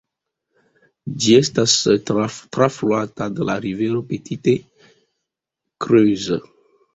Ĝi estas trafluata de la rivero Petite Creuse.